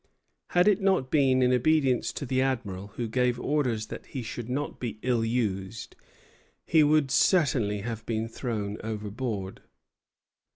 Had it not been in obedience to the Admiral, who gave orders that he should not be ill used, he would certainly have been thrown overboard."